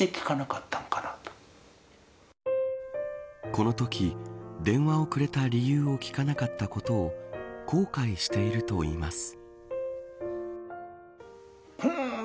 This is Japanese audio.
このとき電話をくれた理由を聞かなかったことを後悔しているといいます。